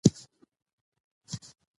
د ولس ملاتړ اسانه نه ساتل کېږي